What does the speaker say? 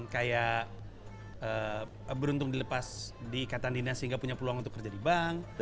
kayak beruntung dilepas di ikatan dinas sehingga punya peluang untuk kerja di bank